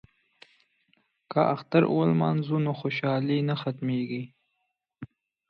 که اختر ولمانځو نو خوشحالي نه ختمیږي.